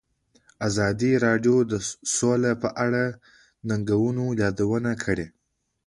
ازادي راډیو د سوله په اړه د ننګونو یادونه کړې.